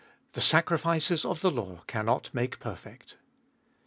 THE SACRIFICES OF THE LAW CANNOT MAKE PERFECT.